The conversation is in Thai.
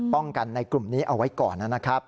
กันในกลุ่มนี้เอาไว้ก่อนนะครับ